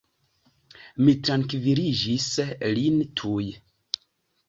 Mi trankviliĝis lin tuj.